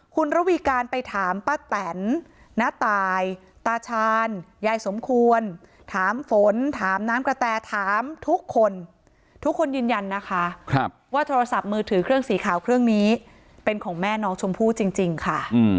คุณระวีการไปถามป้าแตนน้าตายตาชาญยายสมควรถามฝนถามน้ำกระแตถามทุกคนทุกคนยืนยันนะคะว่าโทรศัพท์มือถือเครื่องสีขาวเครื่องนี้เป็นของแม่น้องชมพู่จริงค่ะ